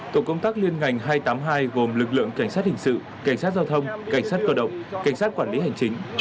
tổ công tác liên ngành hai trăm tám mươi hai gồm lực lượng cảnh sát hình sự cảnh sát giao thông cảnh sát cơ động cảnh sát quản lý hành chính